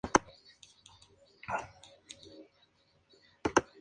Su cercanía con los jefes de Estado es innegable.